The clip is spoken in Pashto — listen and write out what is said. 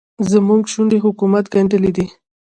زموږ شونډې حکومت ګنډلې دي.